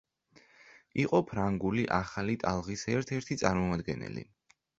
იყო ფრანგული ახალი ტალღის ერთ-ერთი წარმოამდგენელი.